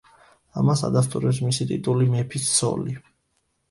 ამას ადასტურებს მისი ტიტული „მეფის ცოლი“.